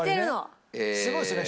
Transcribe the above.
すごいですね。